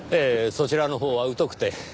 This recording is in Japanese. そちらのほうは疎くて。